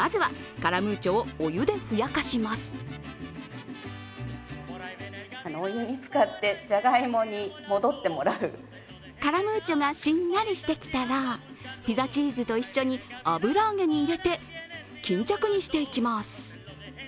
カラムーチョがしんなりしてきたら、ピザチーズと一緒に油揚げに入れて巾着にしていきます。